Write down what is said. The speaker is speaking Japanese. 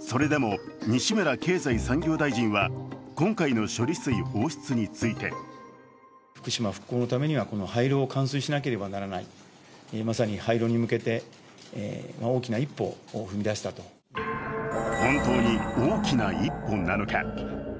それでも西村経済産業大臣は今回の処理水放出について本当に大きな一歩なのか。